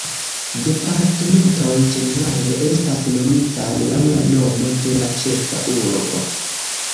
Departementoj, ĝenerale, estas nomitaj laŭ la nomo de la ĉefa urbo.